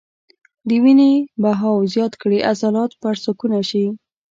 د وينې بهاو زيات کړي عضلات پرسکونه شي -